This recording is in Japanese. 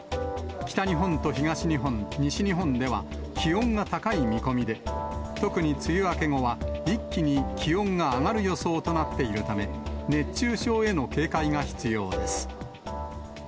北日本と東日本、西日本では、気温が高い見込みで、特に梅雨明け後は、一気に気温が上がる予想となっているため、熱中症への警戒が必要です。